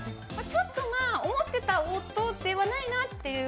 ちょっとまあ、思ってた音ではないなという。